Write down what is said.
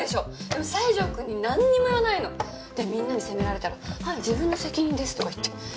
でも西条くんになんにも言わないの。でみんなに責められたら「はい自分の責任です」とか言って。